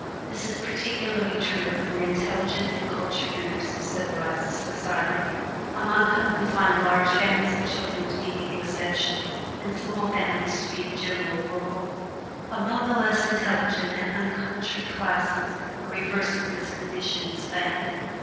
This is particularly true of the more intelligent and cultured members of civilized society, among whom we find large families of children to be the exception, and small families to be the general rule. Among the less intelligent and uncultured classes the reverse of this condition is found.